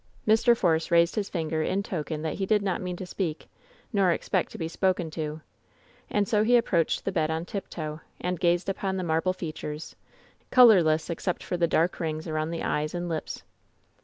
Mr. Force raised his finger in token that he did not mean to speak, nor expect to be spoken to, and so he ap proached the bed on tiptoe, and gazed upon the marble features, colorless except for the dark rings around the eyes and lips.